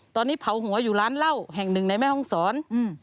ตอนนี้เผาหัวอยู่ร้านเหล้าแห่งหนึ่งในแม่ห้องศร